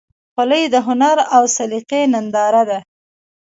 خولۍ د هنر او سلیقې ننداره ده.